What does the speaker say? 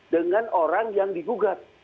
dengan orang yang digugat